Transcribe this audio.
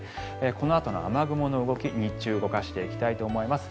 このあとの雨雲の動き日中動かしていきたいと思います。